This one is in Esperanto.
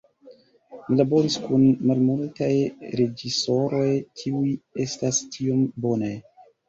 Mi laboris kun malmultaj reĝisoroj kiuj estas tiom bonaj".